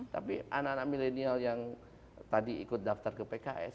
tapi anak anak milenial yang tadi ikut daftar ke pks